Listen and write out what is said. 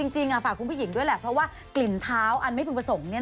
จริงฝากคุณผู้หญิงด้วยแหละเพราะว่ากลิ่นเท้าอันไม่พึงประสงค์